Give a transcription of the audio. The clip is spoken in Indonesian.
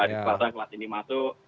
hari selasa yang kelas ini masuk